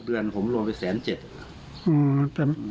๖เดือนผมโรนไป๑๐๗๐๐บาท